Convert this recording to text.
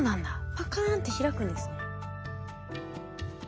パカーンって開くんですね。